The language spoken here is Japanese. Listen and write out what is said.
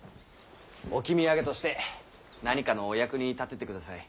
置き土産として何かのお役に立ててください。